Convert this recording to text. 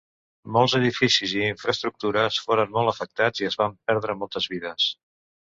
Molts edificis i infraestructures foren molt afectats i es van perdre moltes vides.